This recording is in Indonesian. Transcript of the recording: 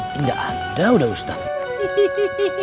tidak ada udah ustaz